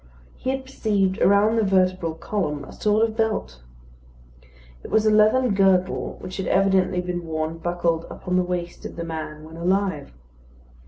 He had perceived around the vertebral column a sort of belt. It was a leathern girdle, which had evidently been worn buckled upon the waist of the man when alive.